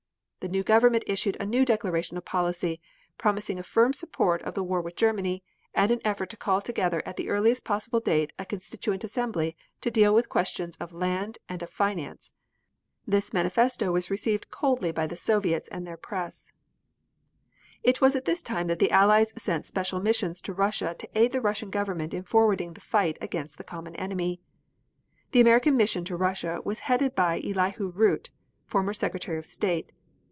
The new government issued a new declaration of policy, promising a firm support of the war with Germany, and an effort to call together at the earliest possible date a Constituent Assembly to deal with questions of land and of finance. This manifesto was received coldly by the Soviets and their press. It was at this time that the Allies sent special missions to Russia to aid the Russian Government in forwarding the fight against the common enemy. The American mission to Russia was headed by Elihu Root, former Secretary of State.